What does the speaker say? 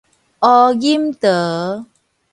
胡錦濤